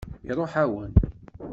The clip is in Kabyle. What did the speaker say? Iṛuḥ-awen.